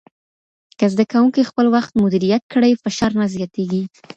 که زده کوونکي خپل وخت مدیریت کړي، فشار نه زیاتېږي.